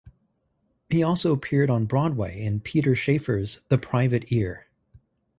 He also appeared on Broadway in Peter Shaffer's "The Private Ear".